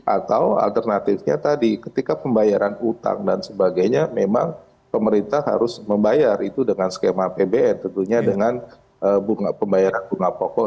atau alternatifnya tadi ketika pembayaran utang dan sebagainya memang pemerintah harus membayar itu dengan skema apbn tentunya dengan bunga pembayaran bunga pokok